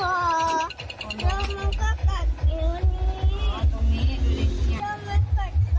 แล้วแล้วมันก็จะมากลับตรงเรามันก็กัดอยู่นี่ตรงนี่ดิ